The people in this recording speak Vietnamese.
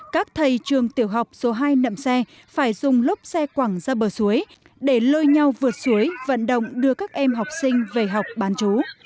các thầy trường tiểu học số hai nậm xe phải dùng lốp xe quảng ra bờ suối để lôi nhau vượt suối vận động đưa các em học sinh về học bán chú